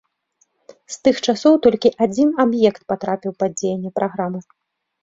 З тых часоў толькі адзін аб'ект патрапіў пад дзеянне праграмы.